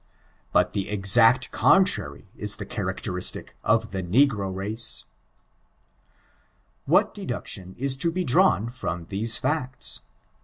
But the exact contrary is the characteristic of the negfo race. What deduction is to be drawn from these facts?